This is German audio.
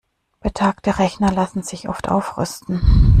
Betagte Rechner lassen sich oft aufrüsten.